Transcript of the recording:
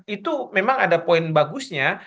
itu memang ada poin bagusnya